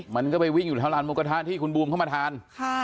มันก็ไปวิ่งอยู่แถวร้านหมูกระทะที่คุณบูมเข้ามาทาน